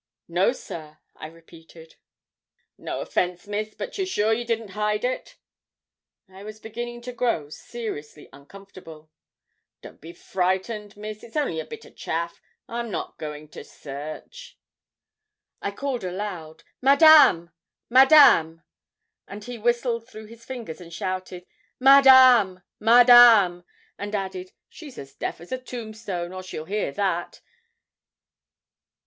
'No, sir,' I repeated. 'No offence, Miss, but you're sure you didn't hide it?' I was beginning to grow seriously uncomfortable. 'Don't be frightened, Miss; it's only a bit o' chaff. I'm not going to search.' I called aloud, 'Madame, Madame!' and he whistled through his fingers, and shouted, 'Madame, Madame,' and added, 'She's as deaf as a tombstone, or she'll hear that.